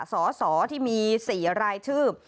สสที่มี๔รายชื่อ